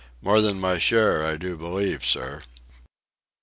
"More than my share, I do believe, sir."